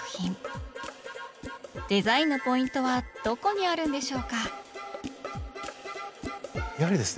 デザインのポイントはどこにあるんでしょうか？